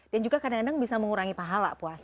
dan juga kadang kadang bisa mengurangi pahala puasa